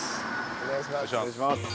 お願いします。